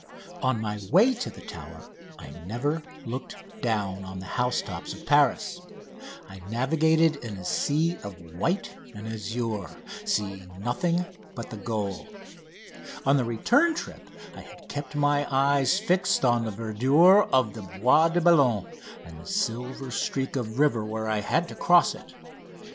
On my way to the Tower I never looked down on the house tops of Paris: I navigated in a sea of white and azure, seeing nothing but the goal. On the return trip I had kept my eyes fixed on the verdure of the Bois de Boulogne and the silver streak of river where I had to cross it.